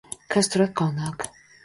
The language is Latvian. Kas tas tur atkal nāk?